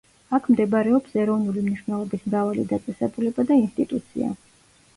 აქ მდებარეობს ეროვნული მნიშვნელობის მრავალი დაწესებულება და ინსტიტუცია.